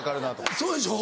そうでしょ？